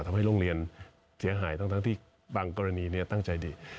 ทำให้โรงเรียนเสียหายทั้งที่บางกรณีตั้งใจดี